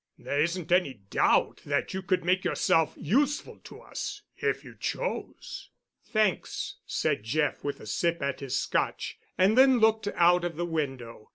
There isn't any doubt that you could make yourself useful to us if you chose." "Thanks," said Jeff, with a sip at his Scotch, and then looked out of the window.